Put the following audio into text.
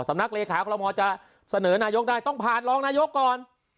นักเลขาคอลโมจะเสนอนายกได้ต้องผ่านรองนายกก่อน